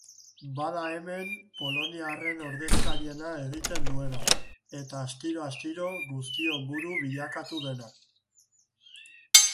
Bada hemen poloniarren ordezkariarena egiten duena, eta astiro-astiro guztion buru bilakatu dena.